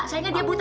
sayangnya dia buta